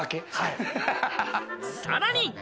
さらに。